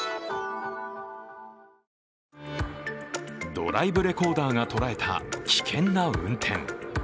ドライブレコーダーが捉えた危険な運転。